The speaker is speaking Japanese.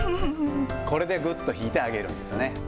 これでぐっと引いてあげるんですよね。